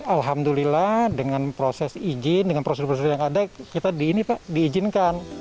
alhamdulillah dengan proses izin dengan prosedur prosedur yang ada kita diizinkan